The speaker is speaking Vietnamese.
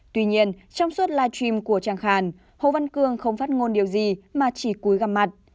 tuy nhiên trong suốt live stream của chàng hàn hồ văn cương không phát ngôn điều gì mà chỉ cúi gặp mặt